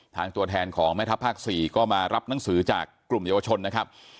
ตัวแทนของแม่ทัพภาค๔ก็มารับหนังสือจากกลุ่มเยาวชนนะครับ